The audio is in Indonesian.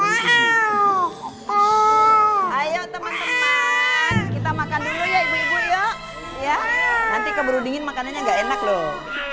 ayo teman teman kita makan dulu ya ibu ibu yuk ya nanti keburu dingin makanannya gak enak loh